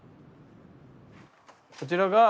こちらが。